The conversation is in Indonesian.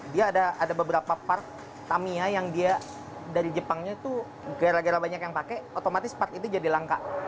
dia ada beberapa park tamia yang dia dari jepangnya itu gara gara banyak yang pakai otomatis part itu jadi langka